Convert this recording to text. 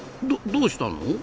どうしたの？